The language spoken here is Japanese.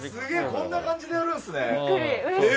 こんな感じでやるんすね。